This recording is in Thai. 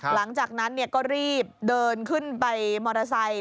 หลังจากนั้นก็รีบเดินขึ้นไปมอเตอร์ไซค์